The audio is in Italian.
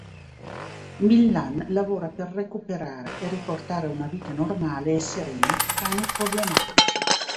Millán lavora per recuperare, e riportare a una vita normale e serena cani problematici.